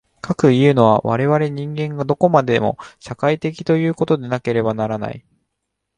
かくいうのは、我々人間はどこまでも社会的ということでなければならない。